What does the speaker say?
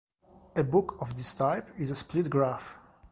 A book of this type is a split graph.